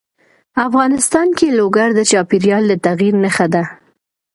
افغانستان کې لوگر د چاپېریال د تغیر نښه ده.